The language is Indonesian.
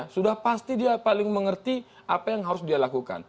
sudah pasti dia paling mengerti apa yang harus dia lakukan